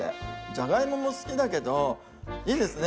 ジャガイモも好きだけどいいですね